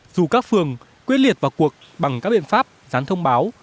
dù các phường quyết liệt vào cuộc bằng các biện pháp gián thông báo